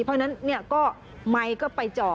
เพราะฉะนั้นไมค์ก็ไปจอด